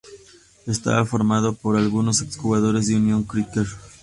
Estaba formado por algunos exjugadores del Unión Cricket.